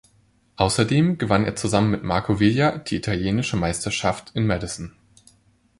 Außerdem gewann er zusammen mit Marco Villa die italienische Meisterschaft im Madison.